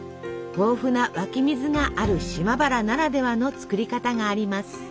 豊富な湧き水がある島原ならではの作り方があります。